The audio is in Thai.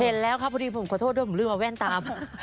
เห็นแล้วครับพอดีผมขอโทษด้วยผมลืมเอาแว่นตาม